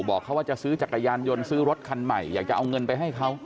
บอกเขาว่าจะซื้อจักรยานยนต์ซื้อรถคันใหม่อยากจะเอาเงินไปให้เขา